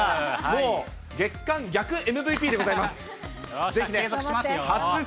もう月間逆ＭＶＰでございます。